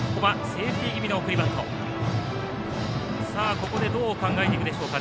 ここでどう考えていくでしょうか。